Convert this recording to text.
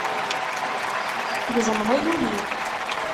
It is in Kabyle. Tgezmeḍ-iyi ul-iw.